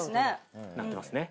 鳴ってますね